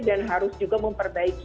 dan harus juga memperbaiki